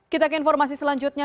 kita ke informasi selanjutnya